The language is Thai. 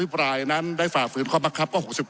ขอประท้วงครับขอประท้วงครับขอประท้วงครับขอประท้วงครับ